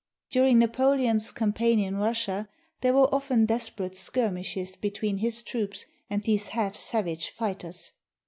During Napoleon's campaign in Russia there were often desperate skirmishes between his troops and these half savage fighters.